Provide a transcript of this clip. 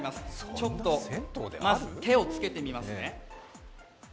ちょっと手をつけてみますね。